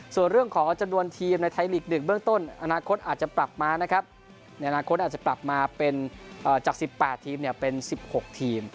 ส่วนเรื่องของจำนวนทีมในไทยลีก๑เบื้องต้นอนาคตอาจจะปรับมาเป็นจาก๑๘ทีมไปเป็น๑๖ทีม